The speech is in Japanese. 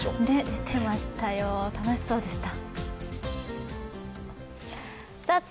出てましたよ、楽しそうでした。